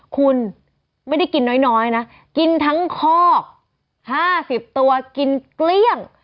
คุณไม่ได้กินน้อยนะกินทั้งคอก๕๐ตัวกินเกลี้ยง